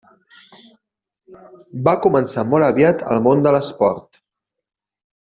Va començar molt aviat al món de l'esport.